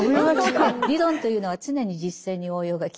理論というのは常に実践に応用が利きます。